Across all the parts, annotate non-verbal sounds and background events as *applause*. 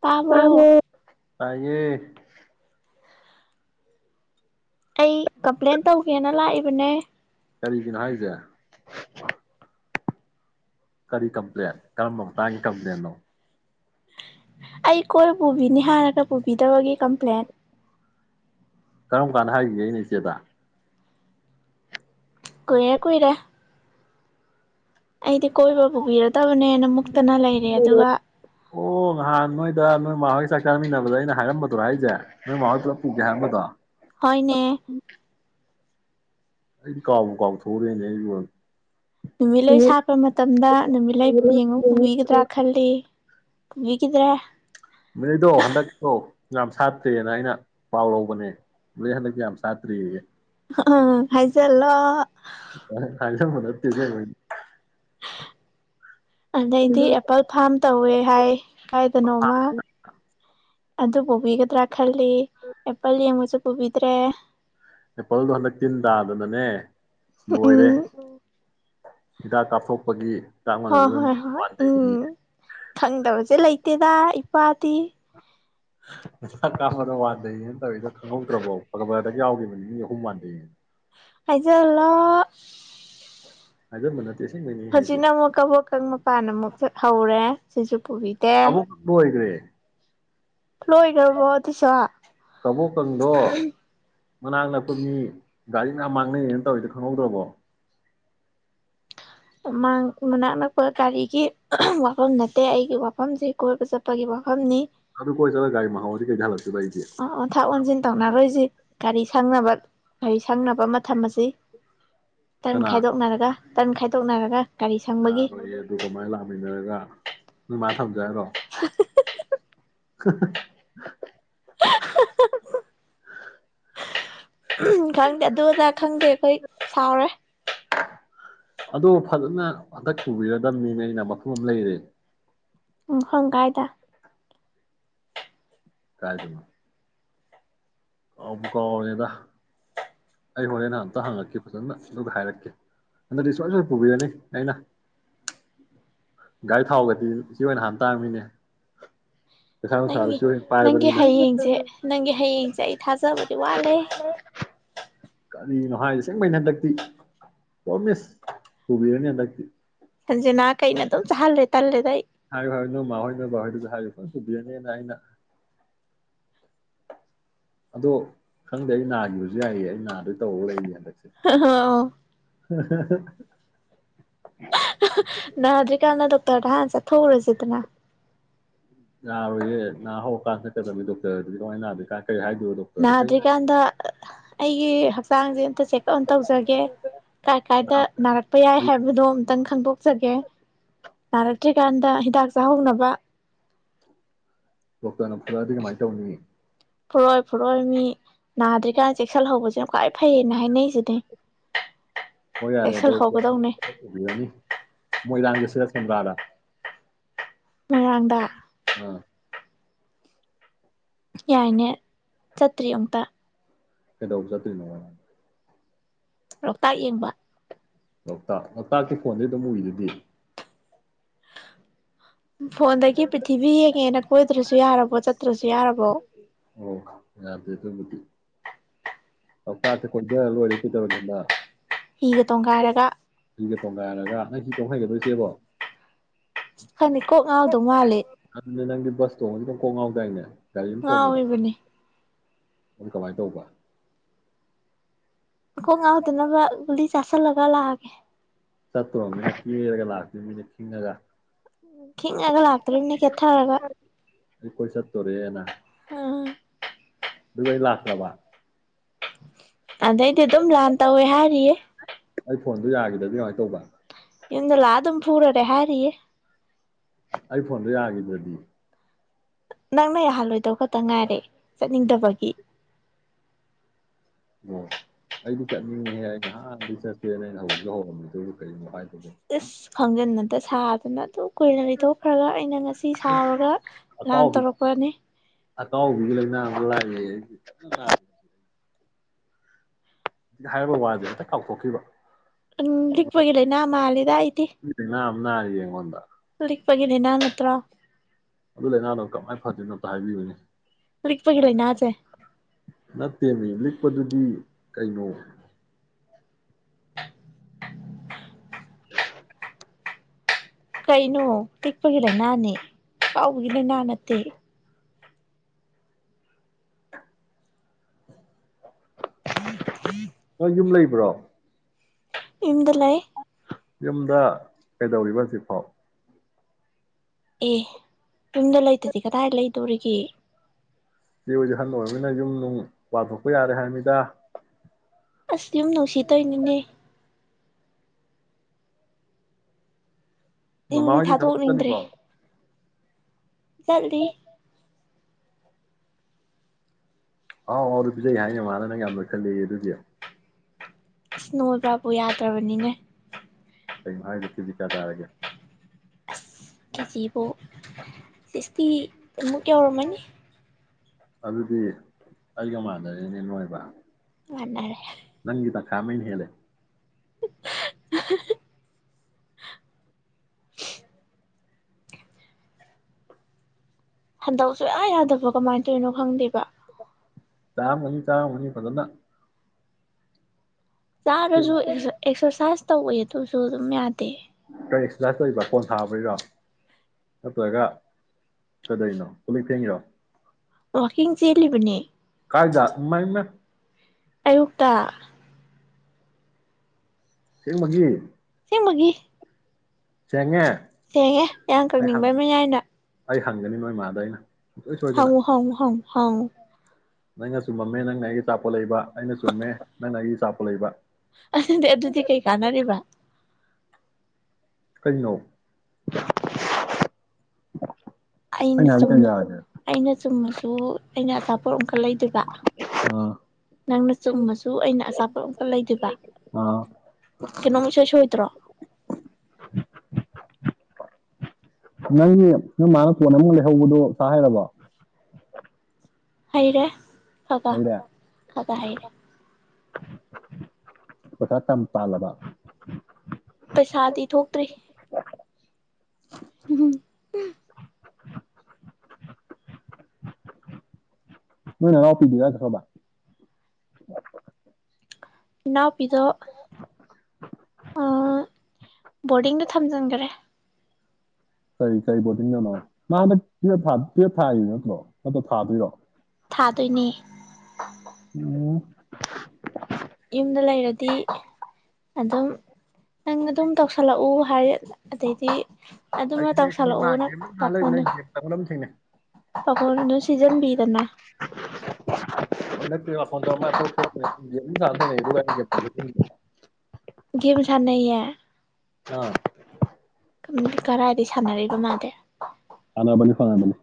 ꯇꯥꯕꯣ ꯇꯏꯌꯦꯌꯦ ꯑꯩ ꯀꯝꯄ꯭ꯂꯦꯟ ꯇꯧꯒꯦꯅ ꯂꯥꯛꯏꯕꯅꯦ ꯀꯔꯤꯒꯤꯅꯣ ꯍꯥꯏꯁꯦ ꯀꯔꯤ ꯀꯝꯄ꯭ꯂꯦꯟ ꯀꯔꯝꯕ ꯃꯇ ꯃꯇꯥꯡꯒꯤ ꯀꯝꯄ꯭ꯂꯦꯅꯣ ꯑꯩ ꯀꯣꯏ ꯄꯨꯕꯤꯅꯤ ꯍꯥꯟꯅꯒ ꯄꯨꯕꯤꯗꯕꯒꯤ ꯀꯝꯄ꯭ꯂꯦꯟ ꯀꯔꯝ ꯀꯥꯟꯗ ꯍꯥꯏꯈꯤꯒꯦ ꯑꯩꯅ ꯏꯆꯦꯗ ꯀꯔꯦ ꯀꯣꯏꯔꯦ ꯑꯩꯗꯤ ꯀꯕꯨꯕꯤꯔꯠ ꯐ ꯇꯕꯅꯦꯅ ꯃꯨꯛꯇꯅ ꯂꯩꯔꯦ ꯑꯗꯨꯒ ꯍꯣꯏ ꯆꯥꯛ ꯆꯥꯃꯤꯟꯅꯕꯗ ꯑꯩꯅ ꯍꯥꯏꯔꯝꯕꯗꯨꯣ ꯑꯩꯁꯦ ꯅꯣꯏ ꯃꯥ ꯍꯣꯏ ꯄꯨꯂꯞ ꯄꯨꯒꯦ ꯍꯥꯏꯔꯝꯕꯗꯣ ꯍꯣꯏꯅꯦ ꯑꯩꯗꯤ ꯀꯥꯞ ꯀꯥꯕ ꯊꯣꯔꯦꯅꯦ ꯅꯨꯃꯤꯠꯂꯩ ꯁꯥꯠꯄ ꯃꯇꯝꯗ ꯅꯨꯃꯤꯠꯂ ꯌꯦꯡꯉꯨ ꯄꯨꯕꯤꯒꯗ꯭ꯔꯥ ꯈꯜꯂꯤ ꯒꯗ꯭ꯔꯦ ꯃꯤꯩꯗꯣ ꯍꯟꯗꯛꯇꯣ ꯌꯥꯝ ꯁꯥꯠꯇ꯭ꯔꯦꯅ ꯑꯩꯅ ꯄꯥꯎ ꯂꯧꯕꯅꯦ ꯃꯤꯩ ꯍꯟꯗꯛꯇꯤ ꯌꯥꯝ ꯁꯥꯠꯇ꯭ꯔꯤ ꯑ ꯍꯥꯏꯖꯤꯜꯂꯣ ꯍꯥꯏꯖꯟꯕ ꯅꯠꯇꯦ ꯑꯁꯦꯡꯕꯩꯅꯤ ꯑꯗꯩꯗꯤ ꯑꯦꯄꯜ ꯐꯥꯔꯝ ꯇꯧꯋꯦ ꯍꯥꯏ ꯀꯥꯏꯗ ꯅꯣꯃ ꯑꯗꯨꯕꯨꯣꯕꯒꯗ꯭ꯔ ꯈ ꯑꯦꯄꯜ ꯌꯥꯝ ꯃꯨꯁꯨ ꯄꯕꯤꯗ꯭ꯔꯦ ꯅꯦꯄꯥꯜꯗꯣ ꯍꯟꯗꯛ ꯇꯤꯟ ꯇꯥꯗꯅꯅꯦ ꯑ ꯂꯣꯏꯔꯦ ꯎꯝ ꯍꯤꯗꯥꯛ ꯀꯥꯞꯊꯣꯛꯄꯒꯤ ꯆꯥꯡ ꯍ ꯃꯥꯟꯅꯕꯗ ꯍꯣꯏ ꯍꯣꯏ ꯋꯥꯟꯗꯩ ꯎꯝ ꯈꯪꯗꯕꯁꯦ ꯂꯩꯇꯦꯗ ꯏꯄꯥꯗꯤ ꯀꯥꯕꯗ ꯋꯥꯟꯊꯩꯅ ꯇꯧꯋꯗ ꯈꯪꯍꯧꯗ꯭ꯔꯕꯣ ꯐꯛꯕꯔꯗꯒꯤ ꯌꯥꯎꯈꯤꯕ ꯅꯤ ꯑꯍꯨꯝ ꯃꯥꯟꯗꯩ ꯑꯩꯁꯂ *inaudible* ꯑꯗꯨꯗꯣ ꯃꯅ ꯍꯧꯖꯤꯛꯅ ꯑꯃꯨꯛ ꯀꯕꯛꯀ ꯃꯄꯥꯟꯅ ꯑꯃꯨꯛ ꯍꯧꯔꯦ ꯁꯤꯁꯨ ꯄꯨꯕꯤꯗꯦ ꯑꯕꯨꯣꯏꯗ꯭ꯦ ꯂꯣꯏꯈ꯭ꯔꯕꯣ ꯑꯗꯨꯁꯨꯣ ꯀꯕꯣꯀꯪꯗꯣ ꯃꯅꯥꯛ ꯅꯛꯄꯣꯏ ꯃꯤ ꯒꯥꯔꯤ ꯃꯌꯥꯝ ꯃꯥꯡꯅꯩꯅꯦꯅ ꯇꯧꯋꯗ ꯈꯪꯍꯧꯗ꯭ꯔꯕꯣ ꯥꯡ ꯃꯅꯥꯛ ꯅꯛꯄ ꯒꯥꯔꯤꯒꯤ ꯋꯥꯐꯝ ꯅꯠꯇꯦ ꯑꯩꯒꯤ ꯋꯥꯐꯝꯁꯦ ꯀꯣꯏꯕ ꯆꯠꯄꯒꯤ ꯋꯥꯐꯝꯅꯤ ꯑꯗꯨ ꯀꯣꯏ ꯆꯗꯒꯒꯥ ꯃꯍꯍ ꯋꯥꯔꯤ ꯀꯩꯥꯏꯂ ꯑ ꯑꯣ ꯊꯥꯛ ꯑꯣꯟꯁꯤꯟ ꯇꯧꯅꯔꯣꯏꯁꯤ ꯒꯥꯔꯤ ꯁꯪꯅꯕ ꯒꯥꯔꯤ ꯁꯪꯅꯕ ꯑꯃ ꯊꯝ ꯑꯁꯤ ꯇꯦꯟ ꯈꯥꯏꯗ ꯑꯣꯅꯔꯒ ꯇꯟ ꯈꯥꯏꯗꯣꯛꯅꯔꯒ ꯒꯥꯔꯤ ꯁꯪꯕꯒꯤ ꯅꯈꯣꯏꯌꯦ ꯑꯗꯨ ꯀꯃꯥꯏꯅ ꯂꯥꯛꯃꯤꯟꯅꯔꯒ ꯊꯕꯖꯔꯣ *inaudible* *inaudible* *inaudible* ꯎ ꯈꯪꯗꯦ ꯑꯗꯨ ꯑꯣꯖꯥ ꯈꯪꯗꯦ ꯑꯩꯈꯣꯏ ꯁꯥꯎꯔꯦ ꯑꯗꯣ ꯐꯖꯅ ꯍꯟꯗꯛ ꯄꯨꯕꯤꯔꯗꯕꯅꯤꯅꯦ ꯑꯩꯅ ꯃꯐꯝ ꯑꯃ ꯂꯩꯔꯦ ꯎ ꯍꯪ ꯀꯥꯏꯗ ꯀꯥꯏ ꯀꯅ ꯀꯥꯎꯕ ꯀꯥꯎꯅꯦꯗ ꯑꯩ ꯍꯣꯔꯦꯟꯅ ꯑꯝꯇ ꯍꯪꯉꯛꯀ ꯐꯖꯅ ꯑꯗꯨꯒ ꯍꯥꯏꯔꯛꯀꯦ ꯍꯟꯗꯗꯤ ꯁꯨꯡꯣꯏ ꯁꯣꯏꯅ ꯄꯨꯕꯤꯔꯅꯤ ꯑꯩꯅ ꯒꯥꯔꯤ ꯊꯥꯎꯒꯗꯤ ꯁꯤ ꯑꯣꯏꯅ ꯍꯥꯟꯅ ꯇꯥꯔꯝꯃꯤꯅꯦ ꯅꯪꯒꯤ ꯅꯪꯒꯤ ꯍꯌꯦꯡꯁꯦ ꯅꯪꯒꯤ ꯍꯌꯦꯡꯁꯦ ꯑꯩ ꯊꯥꯖꯕꯗꯤ ꯋꯥꯠꯂꯦ ꯀꯔꯤꯅꯣ ꯍꯥꯏꯔꯤ ꯁꯦꯡꯕꯩꯅ ꯍꯟꯗꯛꯇꯤ ꯄꯣ ꯃꯤꯁ ꯄꯨꯕꯤꯔꯅꯤ ꯍꯟꯗꯛꯇꯤ ꯈꯟꯖꯦ ꯅꯥ ꯀꯩꯅ ꯑꯗꯨꯝ ꯆꯍꯜꯂꯦ ꯇꯜꯂꯦ ꯍꯥꯏꯥꯏ ꯍꯥꯏ ꯅ ꯃꯥꯎꯣꯏ ꯅꯕꯕꯥꯔ ꯍꯥꯏꯔ ꯐ ꯎꯗꯦꯅꯦꯅꯅꯥꯅ ꯑꯗꯣ ꯈꯪꯗꯦ ꯑꯩ ꯅꯥꯈꯤꯕꯁꯨ ꯌꯥꯏꯌꯦ ꯑꯩ ꯅꯥꯗꯩ ꯇꯧꯔ ꯂꯩꯌꯦ ꯑ ꯍ ꯎ ꯅꯥꯗ꯭ꯔꯤꯀꯥꯟꯗ ꯗꯣꯛꯇꯔꯗ ꯍꯍꯥꯟ ꯆꯠꯊꯣꯛꯎꯔꯁꯤꯗꯅ ꯌꯥꯅꯥꯔꯣꯏꯌꯦ ꯍ ꯍꯧꯔꯀꯥꯟ ꯆꯠꯀꯗꯕꯅꯤ ꯗꯣꯛꯇꯔ ꯑꯗꯨꯗꯤ ꯀꯃꯥꯏꯅ ꯅꯥꯥ ꯅꯗꯒꯥꯟꯗ ꯑꯩꯒꯤ ꯍꯛꯆꯥꯡꯁꯦ ꯑꯝꯇ ꯆꯦꯛ ꯑꯣꯟ ꯇꯧꯖꯒꯦ ꯀꯥꯏ ꯀꯥꯏꯗ ꯅꯥꯔꯛꯄ ꯌꯥꯏ ꯍꯥꯏꯕꯗꯣ ꯑꯝꯇꯪ ꯈꯪꯗꯣꯛꯆꯒꯦ ꯅꯥꯔꯛꯇ꯭ꯔꯤꯀꯥꯟꯗ ꯍꯤꯗꯥꯛ ꯆꯥꯍꯧꯅꯕ ꯗꯣꯛꯇꯔꯅ ꯐꯨꯔꯛꯑꯗꯤ ꯀꯃꯥꯏꯅ ꯇꯧꯅꯤ ꯄꯔꯣꯏ ꯄꯔꯣꯏ ꯃꯤ ꯅꯥꯗ꯭ꯔꯤꯀꯥꯟꯗ ꯆꯦꯛꯁꯤꯜ ꯍꯧꯕꯁꯦꯨ ꯀ ꯐꯩꯌꯦꯅ ꯍꯥꯏꯅꯩꯁꯤꯅꯦ ꯍ ꯌꯥꯔꯦꯣ ꯆꯦꯛꯁꯤꯜꯍꯧꯒꯗꯧꯅꯦ ꯆꯅꯤ ꯃꯣꯏꯗꯥꯡꯗ ꯁꯤꯗꯁꯟꯥꯔ ꯃꯣꯏꯔꯥꯡꯗ ꯑꯝ ꯌꯥꯏꯅꯦ ꯆꯠꯇ꯭ꯔꯤ ꯑꯨꯛꯇ ꯀꯩꯗ ꯎꯖ ꯇ ꯅ ꯋꯥ ꯂꯣꯛꯇꯥꯛ ꯌꯦꯡꯕ ꯂꯣꯛꯇꯥꯛ ꯂꯣꯛꯇꯥꯛꯀꯤ ꯐꯣꯟꯗꯤ ꯑꯗꯨꯝ ꯎꯏꯗꯗꯤ ꯐꯣꯟꯗ ꯀ ꯄ꯭ꯊꯤꯕꯤ ꯍꯒꯦꯅ ꯀꯣꯏꯗ꯭ꯔꯁꯨ ꯌꯥꯔꯕꯣ ꯆꯠꯇ꯭ꯔꯁꯨ ꯌꯥꯔꯕꯣ ꯑꯣ ꯌꯥꯗꯦ ꯑꯗꯨꯕꯨꯗꯤ ꯂꯣꯛꯇꯥꯛꯇ ꯀꯣꯏꯙꯔꯥ ꯂꯣꯏꯔꯦ ꯀꯩꯗꯧꯔꯒꯦ ꯍꯟꯗꯛ ꯍꯤꯒ ꯇꯣꯡꯒꯥꯏꯔꯒ ꯍꯤꯒ ꯇꯣꯡꯒꯥꯏꯔꯒ ꯅꯪ ꯍꯤ ꯇꯣꯡꯍꯩꯒꯗꯔ꯭ ꯏꯆꯦꯕꯣ ꯈꯅꯤ ꯀꯣꯛ ꯉꯥꯎꯗꯣ ꯃꯥꯂꯦ ꯑꯗꯨꯅꯦ ꯅꯪꯗꯤ ꯕꯁ ꯇꯣꯡꯉꯗꯤ ꯗꯨꯝ ꯀꯣꯛꯉꯥꯎꯗꯥꯏꯅꯦ ꯒꯥꯔꯤꯝ ꯇꯣꯡꯕꯗ ꯉꯥꯎꯔꯤꯕꯅꯤ ꯑꯗꯨ ꯀꯃꯥꯏ ꯇꯧꯕ ꯀꯣꯛ ꯉꯥꯎꯗꯅꯕ ꯒꯨꯂꯤ ꯆꯥꯁꯜꯂꯒ ꯂꯥꯛꯑꯒꯦ ꯆꯠꯇ꯭ꯔꯣꯔꯃꯤꯅ ꯀꯦꯔꯒ ꯂꯥꯛꯇꯨꯏꯃꯤꯅꯦ ꯈꯤꯡꯉꯒ ꯈꯤꯡꯉꯒ ꯂꯥꯛꯇꯣꯔꯤꯝꯅꯤ ꯀꯦꯊꯔꯒ ꯀꯣꯏ ꯆꯠꯇꯣꯔꯦꯅ ꯎꯝ ꯗꯨꯒ ꯑꯩ ꯂꯥꯛꯇꯔ꯭ ꯕꯥ ꯑꯗꯩꯗꯤ ꯑꯗꯨꯝ ꯂꯥꯟ ꯇꯧꯋꯦ ꯍꯥꯏꯔꯤꯌꯦ ꯐꯣꯟꯗꯨ ꯌꯥꯒꯤꯗꯗꯤ ꯀꯃꯥꯏ ꯇꯧꯕ ꯌꯨꯝꯗ ꯂꯥꯑ ꯗꯨꯝ ꯐꯨꯔꯔꯦ ꯍꯥꯏꯔꯤꯌꯦ ꯑꯩ ꯐꯣꯟꯗ ꯌꯥꯒꯤꯗ꯭ꯔꯗꯤ ꯅꯪꯅ ꯌꯥꯍꯜꯂꯣꯏꯗꯧ ꯈꯇ ꯉꯥꯏꯔꯦ ꯆꯠꯅꯤꯡꯗꯕꯒꯤ ꯑꯣ ꯑꯩꯗꯤ ꯆꯠꯅꯤꯡꯉꯦꯍꯦ ꯑꯩ ꯅꯍꯥꯟꯗꯤ ꯆꯠꯁꯦꯅ ꯑꯩꯅ ꯍꯧꯖꯤꯛꯖꯨ ꯍꯧꯔꯝꯃꯤ ꯗꯨꯕꯨ ꯀꯩꯅꯣ ꯍꯥꯏꯗꯣ ꯏꯁ ꯈꯪꯖꯟꯅꯗ ꯁꯥꯗꯅ ꯑꯗꯨꯛ ꯀꯨꯏꯅ ꯂꯩꯊꯣꯛꯈ꯭ꯔꯒ ꯑꯩꯅ ꯉꯁꯤ ꯁꯥꯎꯔꯒ ꯂꯥꯟ ꯇꯧꯔꯛꯄꯅꯤ ꯑꯇꯥꯎꯕꯤꯒꯤ ꯂꯩꯅꯥ ꯂꯥ ꯏꯌꯦ ꯑꯩ ꯍꯥꯏꯔꯕ ꯋꯥꯖꯦ ꯍꯦꯛꯇ ꯀꯥꯎꯊꯣꯛꯈꯤꯕ ꯎꯝ ꯂꯤꯛꯄꯒꯤ ꯂꯩꯅꯥ ꯃꯥꯜꯂꯤꯗ ꯑꯩꯗꯤ ꯑꯗꯨꯒꯤ ꯂꯥꯏꯅꯥ ꯑꯃ ꯅꯥꯔꯤꯌꯦ ꯑꯩꯉꯣꯟꯗꯥ ꯂꯤꯛꯄꯒꯤ ꯂꯩꯅꯥ ꯅꯠꯇ꯭ꯔꯣ ꯑꯗꯨ ꯂꯥꯏꯅꯥꯗꯣ ꯀꯃꯥꯏꯅ ꯐꯗꯣꯏꯅꯣ ꯑꯝꯇ ꯍꯥꯏꯕꯤꯌꯨꯅꯦ ꯂꯤꯛꯄꯒꯤ ꯂꯩꯅꯥꯖꯦ ꯄꯗꯨꯗꯤ ꯀꯩꯅꯣ ꯀꯩꯅꯣ ꯇꯤꯛꯄꯒꯤ ꯂꯩꯅꯥꯅꯦ ꯀꯥꯎꯕꯒꯤ ꯂꯩꯅꯥ ꯅꯠꯇꯦ *unintelligible* ꯅꯪ ꯌꯨꯝ ꯂꯩꯕ꯭ꯔꯣ ꯌꯨꯝꯗ ꯂꯩ ꯌꯨꯝꯗ ꯀꯩꯗꯧꯔꯤꯕ ꯍꯧꯖꯤꯛꯐꯥꯎ ꯑꯦ ꯌꯨꯝꯗ ꯂꯩꯇꯗꯤ ꯀꯗꯥꯏ ꯂꯩꯗꯣꯔꯤꯒꯦ ꯆꯦ ꯍꯣꯏꯗꯤ ꯍꯟ ꯑꯣꯏꯔꯝꯅꯤꯅ ꯌꯨꯝ ꯅꯨꯡ ꯄꯥꯟꯊꯣꯛꯄ ꯌꯥꯔꯦ ꯍꯥꯏꯃꯤꯗꯥ ꯑꯁ ꯌꯨꯝ ꯅꯨꯡꯁꯤ ꯇꯩꯅꯤꯅꯦ ꯃꯃꯥ ꯏꯉꯗꯤ ꯍꯣꯏꯗꯤ ꯊꯕꯛ ꯊꯥꯗꯅꯤꯗ꯭ꯔꯤ ꯆꯠꯂꯤꯕꯣ ꯆꯠꯂꯤ ꯑꯥꯎ ꯑꯧꯕꯤꯖꯩ ꯍꯥꯏꯅ ꯃꯥꯅ ꯅꯪ ꯌꯥꯝꯅ ꯈꯜꯂꯛꯑ ꯑꯗꯨꯗꯤ ꯑꯁ ꯅꯣꯕ꯭ꯔꯥꯄ ꯌꯥꯗ꯭ꯔꯕꯅꯤꯅꯦ ꯀꯩꯅ ꯍꯥꯏꯗ ꯊꯤꯖꯤ ꯀꯌꯥ ꯆꯥꯔꯒꯦ ꯖꯤꯕꯨ ꯁꯁꯤ ꯃꯨ ꯀꯌꯥꯔꯃꯅꯤ ꯑꯗꯨꯗꯤ ꯑꯩꯒ ꯃꯥꯟꯗꯔꯤꯅꯦ ꯅꯣꯏꯕ ꯃꯥꯅꯔꯦ ꯅꯪꯤꯗ ꯈꯃꯟ ꯍꯦ *inaudible* ꯍꯟꯗꯛ ꯁꯌꯥ ꯌꯥꯗꯕꯣ ꯀꯃꯥꯏꯅ ꯇꯧꯔꯤꯅꯣ ꯈꯪꯗꯦꯕ ꯇꯥ ꯃꯅꯤ ꯇꯥ ꯃꯅꯤ ꯐꯖꯅ ꯆꯥꯔꯁꯨ ꯀꯔꯤ ꯑꯦꯁꯣ ꯆꯠ ꯇꯧꯋꯦ ꯑꯗꯨꯁꯨ ꯑꯗꯨꯝ ꯌꯥꯗꯦ ꯈꯔ ꯑꯦꯛꯁꯔꯁꯥꯏꯁ ꯇꯧꯔꯤꯕ꯭ꯔꯥ ꯀꯣꯟ ꯊꯥꯕꯔꯤꯔꯣ ꯅꯠꯇ꯭ꯔꯒ ꯀꯗꯧꯅꯣ ꯀꯂꯤꯛ ꯊꯦꯡꯉꯤꯔꯣ ꯋꯥꯋꯀꯤꯡ ꯆꯦꯜꯂꯤꯕꯅꯦ ꯀꯥꯏꯗ ꯏꯃꯥꯏꯃꯥ ꯑꯌꯨꯛꯇ ꯊꯦꯡꯕꯒꯤ ꯆꯉꯥꯏ ꯊꯦꯡꯉꯦ ꯌꯥꯝ ꯀꯪꯅꯤꯡꯕꯩ ꯃ ꯌꯥꯏꯅ ꯑꯩ ꯍꯪꯒꯅꯤ ꯅꯣꯏ ꯏꯃꯥꯗ ꯑꯩꯅ ꯁꯨꯡꯁꯣꯏ ꯁꯣꯏꯗꯅ ꯍꯉ ꯍꯥꯎ ꯍꯥꯎ ꯍꯥꯎ ꯅꯪꯅ ꯆꯨꯝ ꯃꯝꯃꯦ ꯅꯪꯅ ꯑꯩꯒꯤ ꯆꯆꯥꯄꯣ ꯂꯩꯕ ꯑꯩꯅ ꯆꯨꯝꯃꯦ ꯅꯪꯅ ꯑꯩꯒꯤ ꯆꯆꯥꯄ ꯂꯩꯕ ꯑꯗꯨꯗꯤ ꯑꯗꯨꯗꯤ ꯀꯩ ꯀꯥꯟꯅꯔꯤꯕ ꯀꯅꯧ ꯑꯩꯅ ꯆꯨꯝ ꯑꯩꯅ ꯆꯨꯝꯃꯁꯨ ꯇꯣ ꯑꯩꯅ ꯑꯆꯥꯄꯣꯠ ꯑꯃꯀꯠ ꯂꯩꯗꯕ ꯑꯥ ꯅꯪꯅ ꯆꯨꯝꯃꯁꯨ ꯑꯩꯅ ꯑꯆꯥꯄꯣꯠ ꯑꯃꯀꯠ ꯂꯩꯗꯕ ꯑꯥ ꯀꯩꯅꯣꯝ ꯏꯁꯩꯁꯣꯏ ꯁꯣꯏꯗ꯭ꯔꯣ ꯅꯪꯒꯤ ꯅꯪ ꯃꯥꯅ ꯀꯣꯟ ꯑꯃꯨꯛ ꯂꯩꯍꯧꯕꯗꯣ ꯁꯥ ꯍꯥꯏꯔꯕ ꯍꯥꯏꯔꯦ ꯀꯀꯥ ꯍꯩꯔꯦ ꯀꯀꯥ ꯍꯥꯏꯩꯔꯦ ꯀꯊ ꯇꯝ ꯄꯥꯂꯕ ꯁꯥꯥꯇꯤ ꯊꯣꯛꯇ꯭ꯔꯤ ꯎꯝ ꯃꯣꯏ ꯅꯅ ꯑꯣ ꯄꯄꯤꯗꯨꯒ ꯈꯔꯕꯥ ꯅꯥꯎꯄꯤꯤꯗ ꯕꯣꯔꯗꯤꯡꯗꯨ ꯊꯝꯖꯤꯟꯈꯔꯦ ꯀꯔꯤ ꯀꯔꯤ ꯕꯣꯔꯗꯤꯡꯗꯧꯅꯣ ꯅ ꯍꯟꯗꯛ ꯇꯨꯦꯠ ꯊꯥꯔꯤ ꯅꯠꯇ꯭ꯔꯣ ꯍꯟꯗ ꯊꯥꯗꯣꯏꯔꯣ ꯊꯥꯗꯣꯏꯅꯦ ꯎꯝ ꯌꯨꯝꯗ ꯂꯩꯔꯗꯤ ꯑꯗꯨꯝ ꯅꯪ ꯑꯗꯨꯝ ꯇꯧꯁꯜꯂꯛꯎ ꯍꯥꯏ ꯑꯗꯩꯗꯤ ꯑꯗꯨꯃ ꯑꯩ ꯇꯧꯁꯜꯂꯛꯎꯅ ꯃꯥꯒ ꯂꯩꯕ ꯂꯩ ꯒꯦꯝ ꯇꯂꯝ ꯊꯦꯡꯅ ꯄꯀ ꯅ ꯁꯤꯖꯟ ꯗꯅ ꯗ ꯄꯨꯗꯅꯦ ꯀ ꯦꯦꯝꯁꯅꯦ ꯑꯥ ꯀꯗꯥꯥꯏꯗꯒꯤ ꯁꯥꯟꯅꯏꯕ ꯃꯥꯥꯟꯗꯦ ꯐꯅꯥ ꯑꯅꯤ ꯐꯅꯥꯃꯅꯤ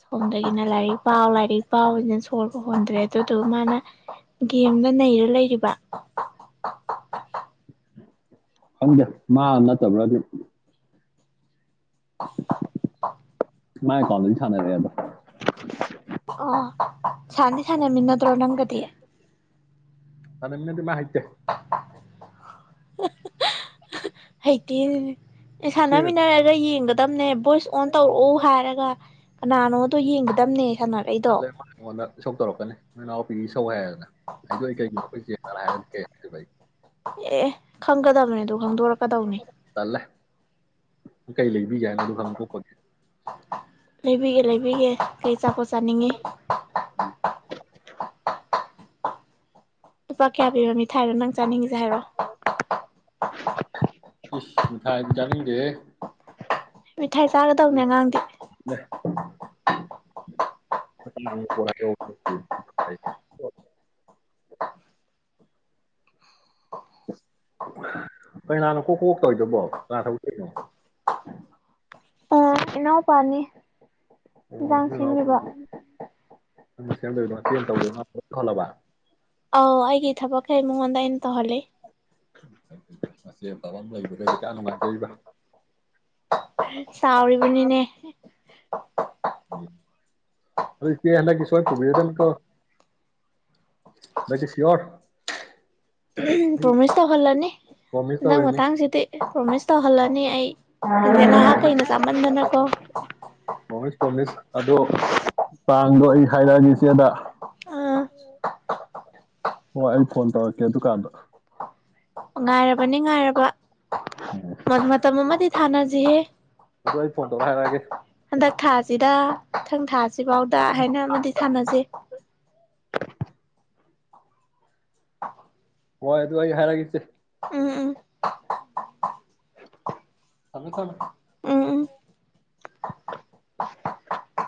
ꯁꯣꯝꯗꯒꯤꯅ ꯂꯩꯔꯤ ꯄꯥꯎ ꯂ ꯑꯩ ꯄꯥꯎꯅ ꯁꯣꯕ ꯍꯣꯟꯗ꯭ꯔꯦ ꯑꯗꯨꯗꯨꯒ ꯃꯥꯅ ꯒꯦꯝꯗ ꯅꯩꯔ ꯂꯩꯔꯤꯕ ꯈꯪꯗꯦ ꯃꯥ ꯅꯠꯇꯕ꯭ꯔꯥ ꯑꯗꯨ ꯃ ꯀꯣꯂꯦꯖ ꯊꯥꯅ ꯂꯩꯗ *inaudible* ꯑ ꯁꯥꯟꯅꯤ ꯁꯥꯟꯅꯃꯤ ꯅꯗ꯭ꯔꯣ ꯅꯝꯒꯗꯤ ꯗꯤ ꯃꯥ ꯠꯇ *inaudible* ꯍꯩꯇꯦ ꯏꯆꯦꯒ ꯁꯥꯟꯅꯃꯤꯟꯅꯔꯒ ꯌꯦꯡꯒꯗ ꯇꯕꯅꯦ ꯚꯣꯏꯁ ꯑꯣꯟ ꯇꯧꯔꯛꯎ ꯍꯥꯏꯔꯒ ꯀꯅꯥꯅꯣꯗꯣ ꯌꯦꯡꯒꯗꯝꯕꯅꯦ ꯂꯩꯉ ꯑꯩꯉꯣꯟꯗ ꯏꯁꯧ ꯇꯧꯔꯛꯀꯅꯤ ꯅꯣꯏꯎ ꯄ ꯁꯋꯥ ꯍꯥꯏ ꯑꯩꯗꯣ ꯑꯩ ꯀꯩꯒꯨꯝꯣ ꯑꯩꯈꯣꯏ ꯆ ꯍꯥꯏꯔꯗꯤ ꯀ ꯍꯥꯏꯕ ꯑꯩ ꯑꯦ ꯈꯪꯒꯗꯕꯅꯦ ꯇꯨꯡ ꯍꯣꯡꯗꯣꯔꯛꯀꯗꯧꯅꯤ ꯇꯜꯂꯦ ꯀꯩ ꯂꯩꯕꯤꯒꯦ ꯍꯥꯏꯅꯣ ꯑꯗꯨ ꯍꯪ ꯊꯣꯛꯄꯒꯤ ꯂꯩꯕꯤꯒꯦ ꯂꯩꯕꯤꯒꯦ ꯀꯩ ꯆꯥꯄꯣꯠ ꯆꯥꯅꯤꯡꯉꯤ ꯂꯨꯄꯥ ꯀꯌꯥ ꯄꯤꯕ ꯃꯤ ꯊ ꯍꯥꯏꯔꯣ ꯅꯪ ꯆꯥꯅꯤꯡꯉꯤꯁꯦ ꯍꯥꯏꯔꯣ ꯏꯁ ꯃ ꯊꯥꯏꯖꯅꯤꯡꯗꯦ ꯃꯤꯊꯥꯏ ꯆꯥꯒꯗꯧꯅꯦ ꯑꯉꯥꯡꯗꯤ ꯄ ꯀꯩꯅꯥꯅꯨ ꯀꯣꯛ ꯀ ꯇꯧꯗꯧꯕꯣ ꯂꯥꯛ ꯊꯧ ꯆꯦꯅꯣ ꯏꯅꯥꯎ ꯄꯥꯅꯤ ꯑꯣ ꯂꯎ ꯄꯁꯨ ꯅꯪꯅ ꯁꯦꯝꯗꯣꯏꯗꯣ ꯆ ꯇꯧꯗꯣꯏꯅꯧ ꯈꯜꯂꯕ ꯑꯧ ꯑꯩꯒꯤ ꯊꯕꯛꯈꯩ ꯃꯉꯣꯟꯗ ꯑꯩꯅ ꯇꯧꯍꯜꯂꯤ ꯑ ꯐꯕ ꯑꯃ ꯂꯩꯕꯒꯁꯦ ꯀꯥ ꯅꯨꯡꯉꯥꯏꯖꯔꯤꯕ ꯆꯥꯎꯥꯎꯔꯤꯕꯨꯅꯤꯅꯦ ꯑꯗ ꯗꯤ ꯍꯟꯗꯛ ꯁꯣꯏ ꯄꯨꯕꯤꯔꯗꯧꯅꯤꯀꯣ ꯍꯟꯗꯛꯇꯤ ꯁꯤꯌꯣꯔ ꯑꯩ ꯄ꯭ꯔꯣꯃꯤꯁ ꯇꯧꯍꯜꯂꯅꯤ ꯄ꯭ꯔꯣꯃꯤꯁ ꯍꯟꯗꯛ ꯇꯧꯔꯤꯃꯤ ꯃꯇꯥꯡꯁꯤꯗꯤ ꯄ꯭ꯔꯣꯃꯤꯁ ꯇꯧꯍꯜꯂꯅꯤ ꯑꯩ ꯁꯟꯖꯦ ꯅꯥꯏꯍꯥꯛ ꯀꯩꯅ ꯆꯥꯃꯟꯗꯅꯀꯣ ꯄꯣꯃꯤꯁ ꯑꯗꯣ ꯇꯥꯡꯗꯣ ꯑꯩ ꯍꯥꯏꯔꯛꯑꯅꯤ ꯏꯆꯦꯗ ꯑꯥ ꯍꯣꯏ ꯑꯩ ꯐꯣꯟ ꯇꯧꯔꯛꯀꯦ ꯗꯨꯀꯥꯟꯗ ꯉꯥꯏꯔꯕꯅꯤ ꯉꯥꯏꯔꯕ ꯃ ꯃꯝꯇꯝ ꯑꯃꯗꯤ ꯁꯥꯅꯁꯤꯍꯦ ꯑꯗꯨ ꯑꯩ ꯐꯣꯟ ꯇꯧꯔ ꯍꯥꯏꯔꯒꯦ ꯍꯟꯗꯛ ꯊꯥꯁꯤꯗ ꯃꯊꯪ ꯊꯥ ꯁꯤꯐꯥꯎꯗ ꯍꯥꯏꯅ ꯑꯃꯗꯤ ꯊꯥꯅꯖ ꯍꯣꯏ ꯑꯗꯨ ꯑꯩ ꯍꯥꯏꯔꯒꯁꯦ ꯎꯝ ꯎꯝ ꯊꯃꯦ ꯊꯃꯦ ꯎꯝ ꯎꯝ *unintelligible*